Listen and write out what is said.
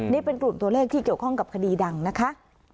นี่เป็นกลุ่มตัวเลขที่เกี่ยวข้องกับคดีดังนะคะ